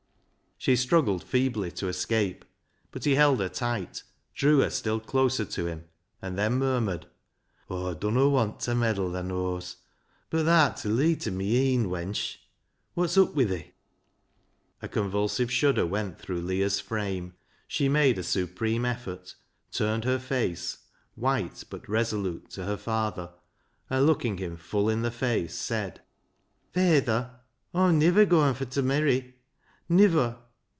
She struggled feebly to escape, but 64 BECKSIDE LIGHTS he held her tight, drew her still closer to him, and then murmured —" Aw dunna want ta meddle, thaa knows, bud tha'rt t' leet o' my een, wench. Wot's up wi' thee?" A convulsive shudder went through Leah's frame ; she made a supreme effort, turned her face, white but resolute, to her father, and look ing him full in the face, said —" Fayther, Aw'm niver goin' fur t' merry. Niver